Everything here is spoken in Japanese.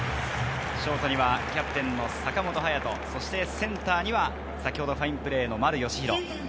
ショートにはキャプテン・坂本勇人、センターには先ほどファインプレーの丸佳浩。